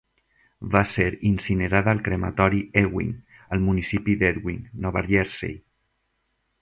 Va ser incinerada al crematori Ewing, al municipi d'Ewing (Nova Jersey).